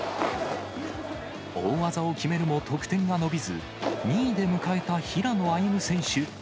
大技を決めるも、得点が伸びず、２位で迎えた平野歩夢選手。